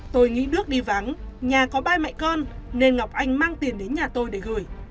tôi nghĩ nước đi vắng nhà có ba mẹ con nên ngọc anh mang tiền đến nhà tôi để gửi